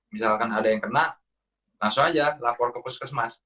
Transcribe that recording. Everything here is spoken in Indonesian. misalkan ada yang kena langsung aja lapor ke puskesmas